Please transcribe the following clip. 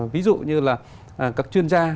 ví dụ như là các chuyên gia